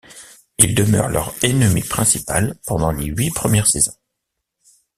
Ils demeurent leur ennemi principal pendant les huit premières saisons.